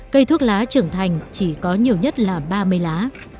cây thuốc lá trưởng thành chỉ có nhiều nhất là ba mươi lá